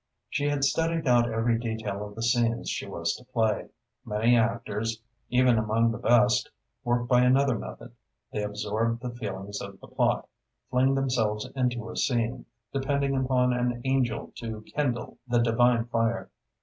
She had studied out every detail of the scenes she was to play. Many actors, even among the best, work by another method. They absorb the feeling of the plot, fling themselves into a scene, depending upon an angel to kindle the divine fire.